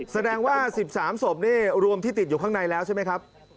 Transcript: แสดงว่า๑๓ศพนี่รวมที่ติดอยู่ข้างในแล้วใช่ไหมครับ